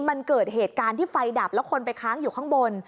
มันเกิดเหตุการณ์ที่ไฟดับแล้วคนไปค้างอยู่ข้างบน